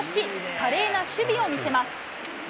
華麗な守備を見せます。